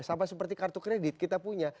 sama seperti kartu kredit kita punya